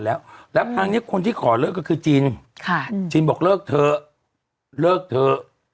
แล้วแล้วครั้งนี้คนที่ขอเลิกก็คือจินค่ะจินบอกเลิกเถอะเลิกเถอะ